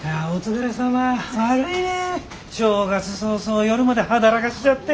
悪いね正月早々夜まで働がしちゃって。